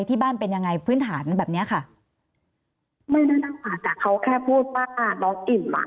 ที่บ้านเป็นยังไงพื้นฐานแบบเนี้ยค่ะเขาแค่พูดว่าน้อยอิ่มอ่ะ